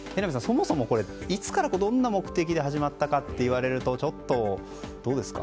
そもそも、いつからどんな目的で始まったかといわれるとちょっと、どうですか？